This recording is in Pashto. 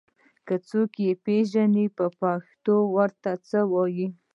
که څوک يې پېژني په پښتو ور ته څه وايي